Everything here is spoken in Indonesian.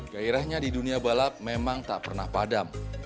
gairahnya di dunia balap memang tak pernah padam